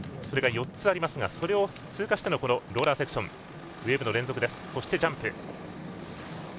それが４つありますがそれを通過してからローラーセクションウエーブの連続、そしてジャンプ。